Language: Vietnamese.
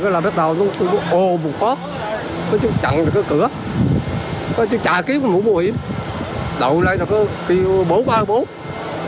rồi bắt đầu tôi bố ô bụt khóc chẳng được cửa chạy kiếp mũ bụi đậu lên bố bố bố thưa được rồi mình bố ô tâm